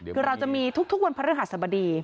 คือเราจะมีทุกวันพระฤหัสบดี